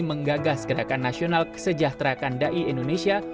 menggagas gerakan nasional kesejahterakan dai indonesia